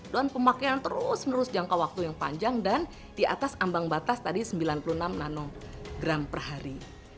dan pemakaian terus menerus jangka waktu yang panjang dan di atas ambang batas tadi sembilan puluh enam nanogram per hari